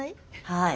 はい。